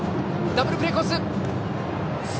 ダブルプレーコース！